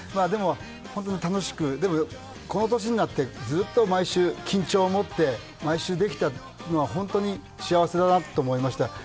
でも本当に楽しくこの年になってずっと毎週緊張をもって毎週できたのは幸せだなと思いました。